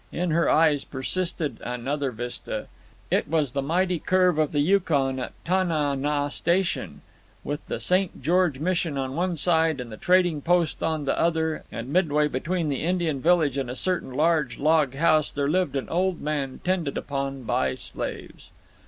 In her eyes persisted another vista. It was the mighty curve of the Yukon at Tana naw Station. With the St. George Mission on one side, and the trading post on the other, and midway between the Indian village and a certain large log house where lived an old man tended upon by slaves.